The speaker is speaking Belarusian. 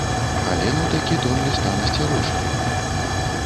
Алену такі тон ліста насцярожвае.